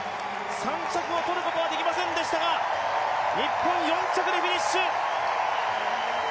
３着を取ることはできませんでしたが日本、４着でフィニッシュ。